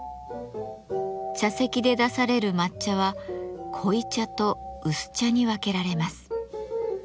茶席で出される抹茶は濃茶と薄茶に分けられます。